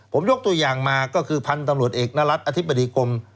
ผมยกตัวอย่างมาก็คือพันธุ์ตำรวจเอกนรัฐอธิบดีกรม